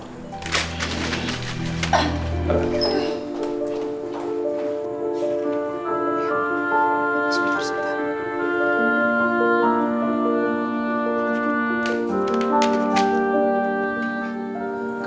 masalah pengembalian dana tersebut itu jadi urusan saya